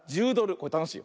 これたのしい。